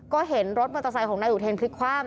ก็เห็นรถมอเตอร์ไซค์ของนายอุเทนพลิกคว่ำ